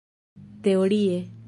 teorie